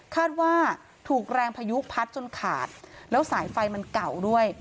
ว่าถูกแรงพายุพัดจนขาดแล้วสายไฟมันเก่าด้วย